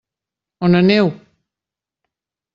On aneu?